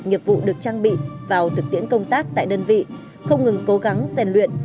nghiệp vụ được trang bị vào thực tiễn công tác tại đơn vị không ngừng cố gắng rèn luyện